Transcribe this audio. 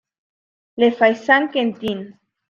Le Fay-Saint-Quentin